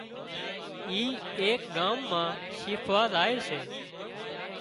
اي ايڪ ڳام مان شيکوا زائي سي